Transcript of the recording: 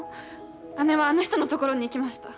姉はあの人のところに行きました。